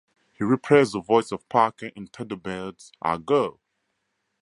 He reprised the voice of Parker in Thunderbirds Are Go!